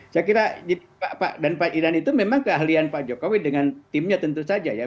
saya kira dan pak iran itu memang keahlian pak jokowi dengan timnya tentu saja ya